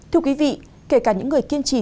thưa quý vị kể cả những người kiên trì